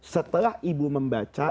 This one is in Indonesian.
setelah ibu membaca